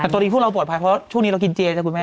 ตัวนี้พวกเราปลอดภัยเพราะช่วงนี้เรากินเจนะคุณแม่